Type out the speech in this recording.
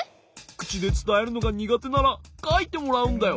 くちでつたえるのがにがてならかいてもらうんだよ。